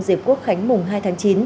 diệp quốc khánh mùng hai tháng chín